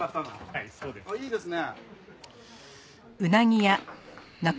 はいそうです。いいですね。